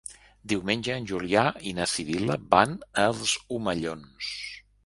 Diumenge en Julià i na Sibil·la van als Omellons.